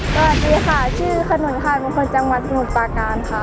สวัสดีค่ะชื่อขนุนค่ะเป็นคนจังหวัดสมุทรปาการค่ะ